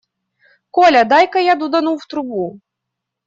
Коля, дай-ка я дудану в трубу.